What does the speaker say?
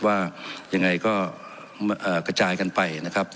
ว่ายังไงก็กระจายกันไปนะครับ